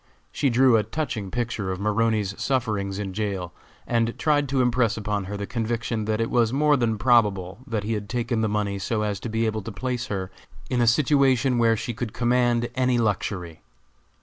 She drew a touching picture of Maroney's sufferings in jail, and tried to impress upon her the conviction that it was more than probable that he had taken the money so as to be able to place her in a situation where she could command any luxury.